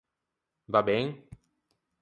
Va ben?